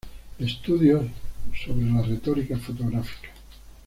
Estudios sobre la retórica fotográfica""..